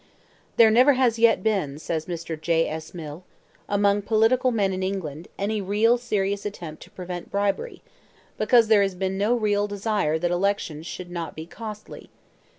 "There never has yet been," says Mr. J. S. Mill, "among political men in England any real and serious attempt to prevent bribery, because there has been no real desire that elections should not be costly.